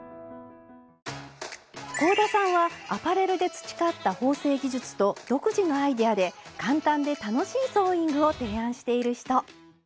香田さんはアパレルで培った縫製技術と独自のアイデアで簡単で楽しいソーイングを提案している人。